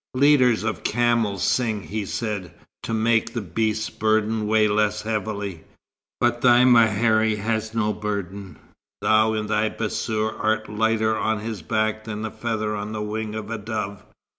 "Leaders of camels sing," he said, "to make the beasts' burdens weigh less heavily. But thy mehari has no burden. Thou in thy bassour art lighter on his back than a feather on the wing of a dove.